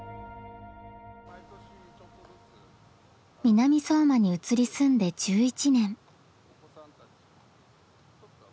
南相馬に移り住んで１１年。